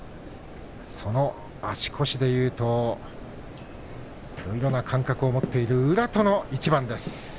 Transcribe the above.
その足腰でいうといろいろな感覚を持っている宇良との一番です。